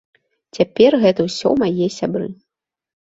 Цяпер гэта ўсё мае сябры.